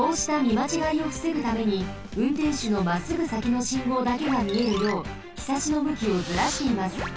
まちがいをふせぐためにうんてんしゅのまっすぐさきの信号だけがみえるようひさしのむきをずらしています。